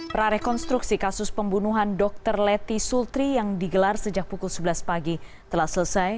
prarekonstruksi kasus pembunuhan dr leti sultri yang digelar sejak pukul sebelas pagi telah selesai